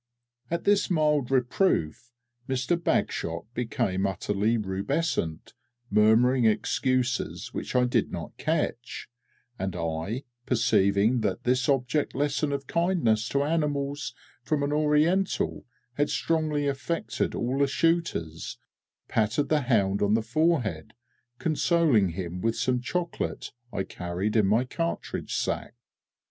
At this mild reproof Mister BAGSHOT became utterly rubescent, murmuring excuses which I did not catch; and I, perceiving that this object lesson of kindness to animals from an Oriental had strongly affected all the shooters, patted the hound on the forehead, consoling him with some chocolate I carried in my cartridge sack.